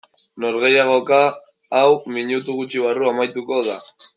Norgehiagoka hau minutu gutxi barru amaituko da.